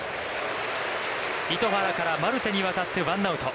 糸原からマルテにわたってワンアウト。